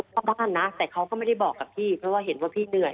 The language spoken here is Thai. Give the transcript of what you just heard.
ก็รักกันนะแต่เขาก็ไม่ได้บอกกับพี่เพราะว่าเห็นว่าพี่เหนื่อย